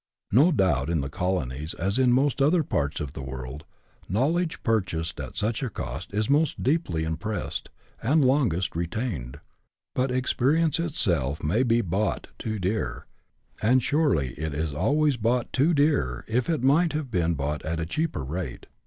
No doubt in the colonies, as in most other parts of the world, know ledge purchased at such a cost is most deeply impressed and longest retained ; but experience itself may be bought too dear, and surely it is always bought too dear if it might have been bought at a cheaper rate.